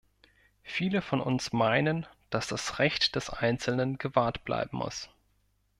Viele von uns meinen, dass das Recht des einzelnen gewahrt bleiben muss.